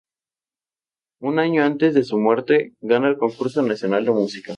Un año antes de su muerte, gana el Concurso Nacional de Música.